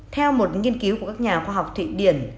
theo một nghiên cứu của các nhà khoa học thụy điển